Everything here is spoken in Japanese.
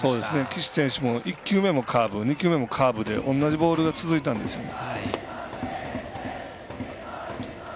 岸選手も１球目もカーブで２球目もカーブで同じボールが続いたんですよね。